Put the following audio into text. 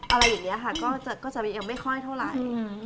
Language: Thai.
อะไรอย่างนี้ค่ะก็จะไม่ค่อยเท่าไหร่